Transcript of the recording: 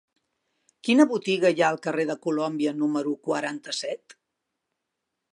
Quina botiga hi ha al carrer de Colòmbia número quaranta-set?